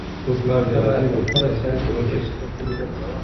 ته باید په خپله څېړنه کې ډېر صفتونه ولرې.